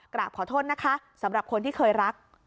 กราบขอโทษนะคะสำหรับคนที่เคยรัก